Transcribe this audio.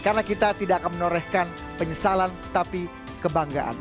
karena kita tidak akan menorehkan penyesalan tapi kebanggaan